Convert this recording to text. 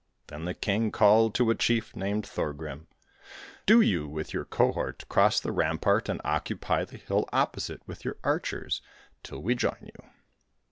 Then the king called to a chief named Thorgrim: 'Do you, with your cohort, cross the rampart and occupy the hill opposite with your archers till we join you.'